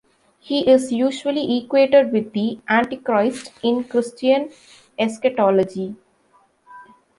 He is usually equated with the Antichrist in Christian eschatology.